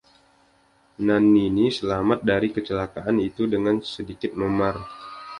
Nannini selamat dari kecelakaan itu dengan sedikit memar.